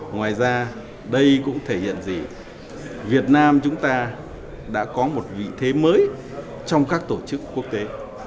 ngoài ra đây cũng thể hiện gì việt nam chúng ta đã có một vị thế mới trong các tổ chức quốc tế